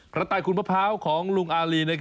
กระต่ายขุนมะพร้าวของลุงอารี